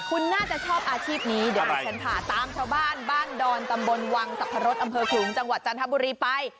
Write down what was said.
คุณน่าจะชอบอาชีพนี้เดี๋ยวดิฉันพาตามชาวบ้านบ้านดอนตำบลวังสรรพรสอำเภอขลุงจังหวัดจันทบุรีไป